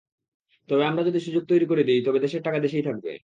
তবে আমরা যদি সুযোগ তৈরি করে দিই, তবে দেশের টাকা দেশেই থাকবে।